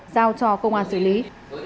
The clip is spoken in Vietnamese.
giao cho công an xử lý